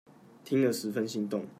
聽了十分心動